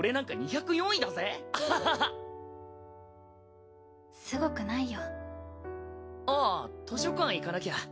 俺なんか２０すごくないよあっ図書館行かなきゃ。